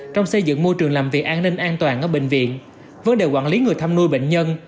trong xây dựng môi trường làm việc an ninh an toàn ở bệnh viện vấn đề quản lý người thăm nuôi bệnh nhân